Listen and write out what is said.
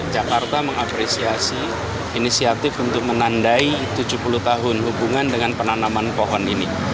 jakarta mengapresiasi inisiatif untuk menandai tujuh puluh tahun hubungan dengan penanaman pohon ini